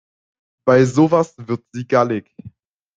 Bei sowas wird sie gallig.